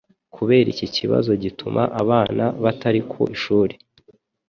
Kubera iki kibazo gituma abana batari ku ishuri,